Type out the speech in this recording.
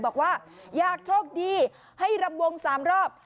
บอกว่าอยากโชคดีให้รำวง๓รอบ